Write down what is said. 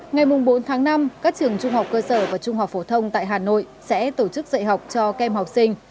ngày bốn tháng năm các trường trung học cơ sở và trung học phổ thông tại hà nội sẽ tổ chức dạy học cho kem học sinh